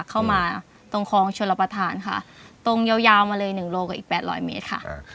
เข้ามาตรงคลองชวนรปฐานค่ะตรงยาวมาเลยหนึ่งโลกกว่าอีกแปดหล่อยเมตรค่ะอ่า